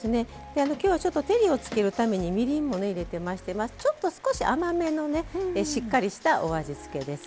今日はちょっと照りをつけるためにみりんも入れてましてちょっと少し甘めのねしっかりしたお味付けです。